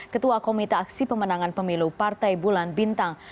ketua komite aksi pemenangan pemilu partai bulan bintang